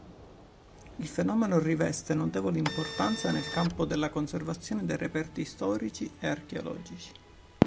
Il fenomeno riveste notevole importanza nel campo della conservazione dei reperti storici e archeologici.